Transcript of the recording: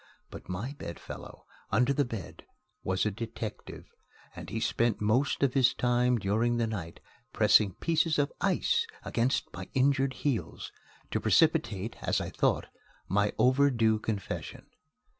But my bed fellow under the bed was a detective; and he spent most of his time during the night pressing pieces of ice against my injured heels, to precipitate, as I thought, my overdue confession.